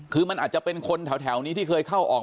คือมันอาจจะเป็นคนแถวนี้ที่เคยเข้าออก